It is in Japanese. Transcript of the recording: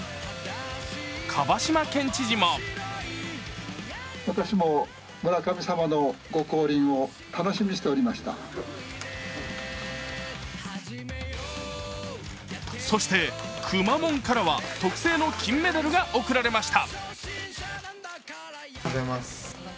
蒲島県知事もそして、くまもんからは特製の金メダルが贈られました。